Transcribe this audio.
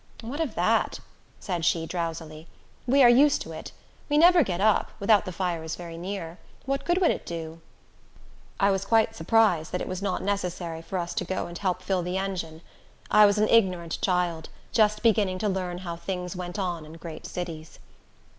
"What of that?" said she, drowsily. "We are used to it. We never get up, without the fire is very near. What good would it do?" I was quite surprised that it was not necessary for us to go and help fill the engine. I was an ignorant child, just beginning to learn how things went on in great cities.